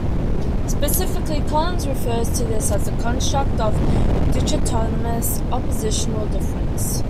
Specifically, Collins refers to this as the construct of dichotomous oppositional difference.